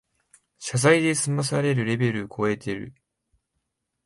謝罪で済まされるレベルこえてる